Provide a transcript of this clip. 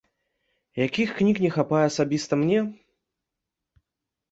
Якіх кніг не хапае асабіста мне?